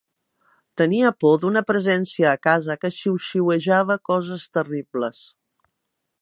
Tenia por d'una presència a casa que xiuxiuejava coses terribles.